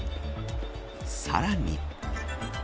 さらに。